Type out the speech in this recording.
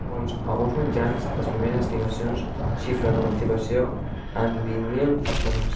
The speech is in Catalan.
Segons alguns mitjans, les primeres estimacions xifren la participació en vint-mil persones.